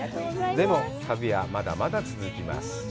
でも、旅はまだまだ続きます。